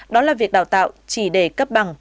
đó là việc đào tạo chỉ để cấp bằng